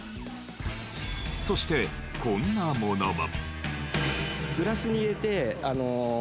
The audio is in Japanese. そしてこんなものも。